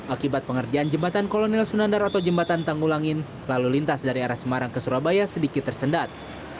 akibat pengerjaan jembatan kolonel sunandar atau jembatan tanggulangin lalu lintas dari arah semarang ke surabaya sedikit tersendat